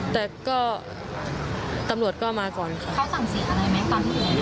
แต่ก็ตำรวจก็มาก่อนค่ะ